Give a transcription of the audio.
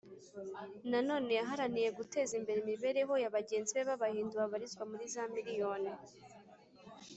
nanone yaharaniye guteza imbere imibereho ya bagenzi be b’abahindu babarirwa muri za miriyoni